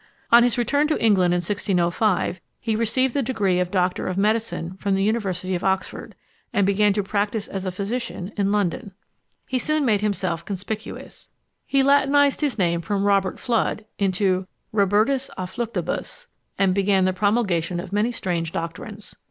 On his return to England in 1605, he received the degree of Doctor of Medicine from the University of Oxford, and began to practise as a physician in London. He soon made himself conspicuous. He latinised his name from Robert Fludd into Robertus à Fluctibus, and began the promulgation of many strange doctrines.